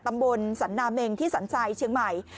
ตำบลสันนาเมงที่สัญชัยเชียงใหม่